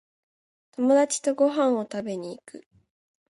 友達とご飯を食べに行く